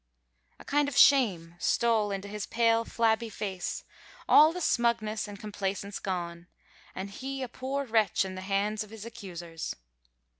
A kind of shame stole into his pale, flabby face, all the smugness and complacence gone, and he a poor wretch in the hands of his accusers.